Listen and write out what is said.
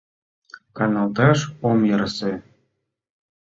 — Каналташ ом ярсе...